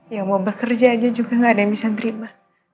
ya mau bekerja aja juga gak ada yang bisa terima